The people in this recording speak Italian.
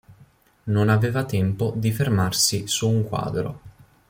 Non aveva tempo di fermarsi su un quadro".